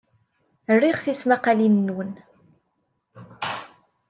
Riɣ tismaqqalin-nwen.